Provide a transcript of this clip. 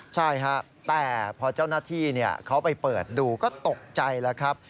ใช่ฮะแต่พอเจ้าหน้าที่เขาไปเปิดดูก็ตกใจแล้วครับ